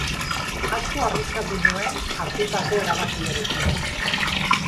Asko arriskatu nuen hartutako erabakiarekin.